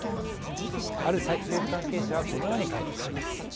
ある政府関係者がこのように解説します。